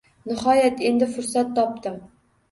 Nihoyat, endi fursat topdim